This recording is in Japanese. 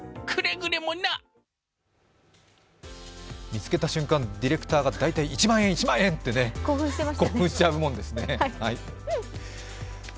見つけた瞬間、ディレクターが一万円、一万円！って興奮しちゃうものですね。